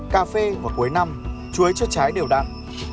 cà phê vào cuối năm chuối cho trái đều đặn